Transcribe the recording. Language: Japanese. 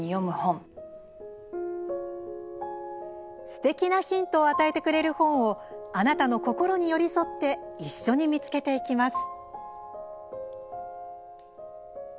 すてきなヒントを与えてくれる本をあなたの心に寄り添って一緒に見つけていきます。